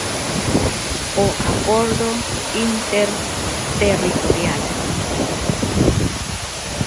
O acordo interterritorial.